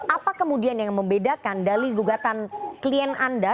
apa kemudian yang membedakan dari gugatan klien anda